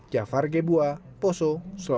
jafar gebuah poso sulawesi tengah